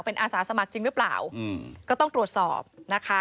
เป็นอาสาสมัครจริงหรือเปล่าก็ต้องตรวจสอบนะคะ